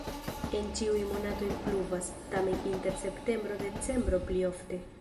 En ĉiuj monatoj pluvas, tamen inter septembro-decembro pli ofte.